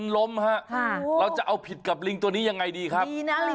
เราจะเอาผิดกับลิงตัวนี้อยังไงดีครับ